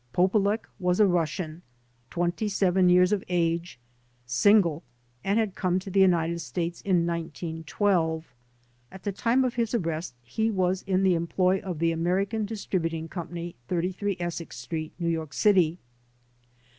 Polulech was a Russian , twenty seven years of age, single, and had come to the United States in 1912. At the time of his arrest he was in the employ of The American Distributing Company, 33 Essex Street, New York City.